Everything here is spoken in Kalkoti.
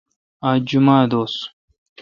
آج جمعہ دوس